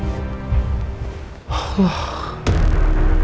assalamualaikum warahmatullahi wabarakatuh